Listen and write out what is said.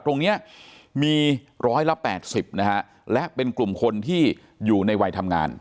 ตรงนี้มีร้อยละ๘๐นะฮะและเป็นกลุ่มคนที่อยู่ในวัยทำงาน